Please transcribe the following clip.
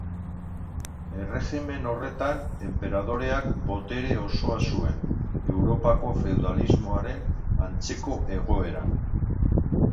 Erregimen horretan, enperadoreak botere osoa zuen, Europako feudalismoaren antzeko egoeran.